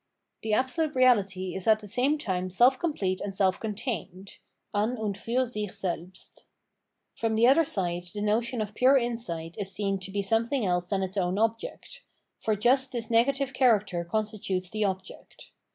The Absolute Reahty is at the same time self complete and self contained [an und fur sick selbst). From the other side the notion of pure insight is seen to be something else than its own object ; for just this negative character constitutes the object.